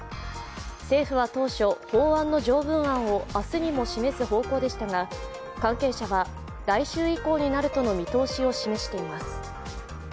政府は当初、法案の条文案を明日にも示す方向でしたが関係者は来週以降になるとの見通しを示しています。